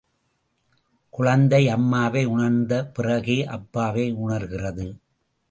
குழந்தை அம்மாவை உணர்ந்து, பிறகே அப்பாவை உணர்கிறது.